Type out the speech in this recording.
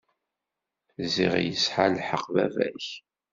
Ziɣ yesɛa lḥeqq baba-k.